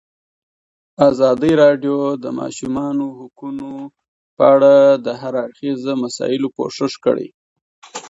ازادي راډیو د د ماشومانو حقونه په اړه د هر اړخیزو مسایلو پوښښ کړی.